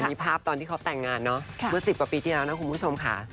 มีภาพตอนที่เขาแต่งงานเนอะเมื่อ๑๐กว่าปีที่แล้วนะคุณผู้ชมค่ะ